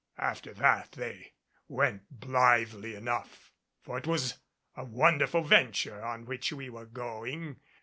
After that, they went blithely enough. For it was a wonderful venture on which we were going.